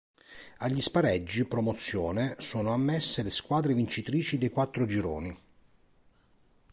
Agli spareggi promozione sono ammesse le squadre vincitrici dei quattro gironi.